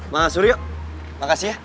mas suryo makasih ya